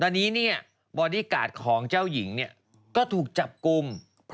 ตอนนี้บอดี้การ์ดของเจ้าหญิงก็ถูกจับกลุ่ม